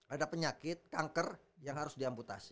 ada penyakit kanker yang harus di amputasi